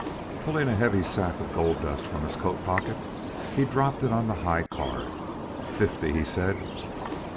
Pulling a heavy sack of gold dust from his coat pocket, he dropped it on the HIGH CARD. "Fifty," he said.